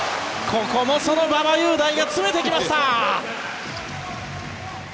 ここもその馬場雄大が詰めてきました！